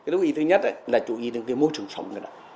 lưu ý thứ nhất là chú ý đến cái môi trường sống